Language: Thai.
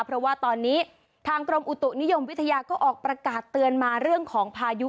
เพราะว่าตอนนี้ทางกรมอุตุนิยมวิทยาก็ออกประกาศเตือนมาเรื่องของพายุ